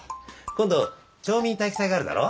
今度町民体育祭があるだろ？